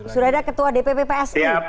sudah ada ketua dpp psi